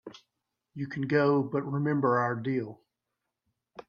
You can go, but remember our deal.